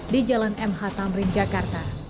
di jalan mh tamrin jakarta